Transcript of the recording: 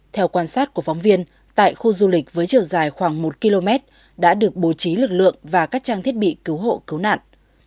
theo quan sát của phóng viên tại khu du lịch với chiều dài khoảng một km đã được bố trí lực lượng và các trang thiết bị cứu hộ cứu nạn